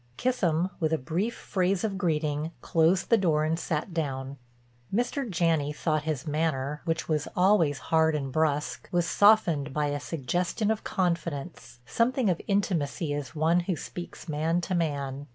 Kissam, with a brief phrase of greeting, closed the door and sat down. Mr. Janney thought his manner, which was always hard and brusque, was softened by a suggestion of confidence, something of intimacy as one who speaks man to man.